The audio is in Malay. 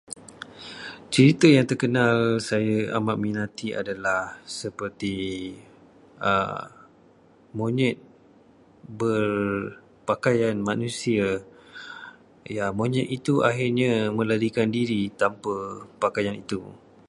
Cerita yang terkenal saya amat minati adalah seperti monyet berpakaian manusia. Ya, monyet itu akhirnya melarikan diri tanpa pakaian itu.